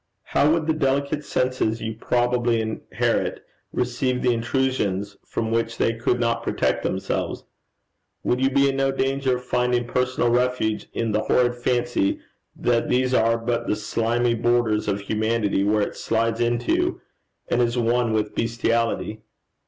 How would the delicate senses you probably inherit receive the intrusions from which they could not protect themselves? Would you be in no danger of finding personal refuge in the horrid fancy, that these are but the slimy borders of humanity where it slides into, and is one with bestiality?